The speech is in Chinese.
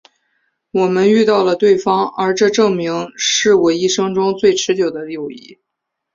我们遇到了对方而这证明是我一生中最持久的友谊。